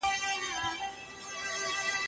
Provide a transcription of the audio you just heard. محلي حاکمان د ځان لپاره ګټي لټوي.